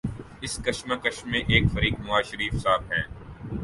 اس کشمکش میں ایک فریق نوازشریف صاحب ہیں